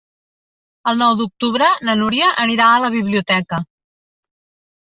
El nou d'octubre na Núria anirà a la biblioteca.